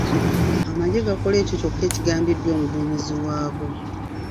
Amaggye gakola ekyo kyokka ekigagambiddwa omuduumizi waago.